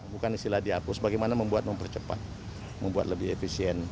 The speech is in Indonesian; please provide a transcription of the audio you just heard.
bukan istilah dihapus bagaimana membuat mempercepat membuat lebih efisien